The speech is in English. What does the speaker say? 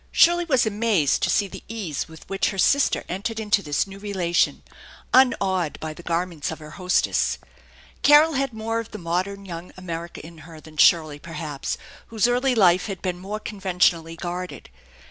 Shirley was amazed to see the ease with which her sister entered into this new relation, unawed by the garments of her hostess. Carol had more of the modern young America in her than Shirley, perhaps, whose early life had been more conventionally guarded.